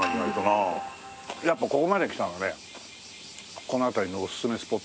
やっぱここまで来たのでこの辺りのおすすめスポット。